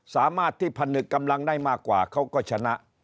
สามารถที่ผนึกกำลังได้มากกว่าเขาก็ชนะ